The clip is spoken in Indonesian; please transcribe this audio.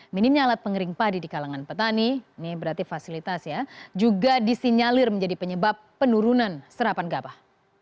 minimnya alat pengering padi di kalangan petani ini berarti fasilitas ya juga disinyalir menjadi penyebab penurunan serapan gabah